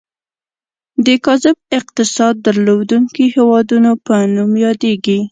د کاذب اقتصاد درلودونکي هیوادونو په نوم یادیږي.